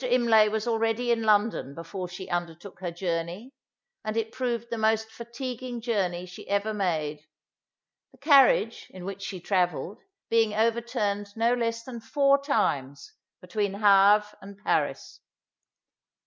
Imlay was already in London, before she undertook her journey, and it proved the most fatiguing journey she ever made; the carriage, in which she travelled, being overturned no less than four times between Havre and Paris.